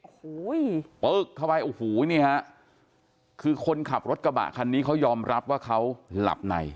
โอ้โหปึ๊กเข้าไปโอ้โหนี่ฮะคือคนขับรถกระบะคันนี้เขายอมรับว่าเขาหลับใน